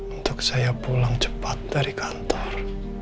untuk saya pulang cepat dari kantor